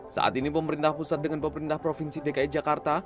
saat ini pemerintah pusat dengan pemerintah provinsi dki jakarta